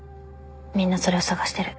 みんなそれを探してる。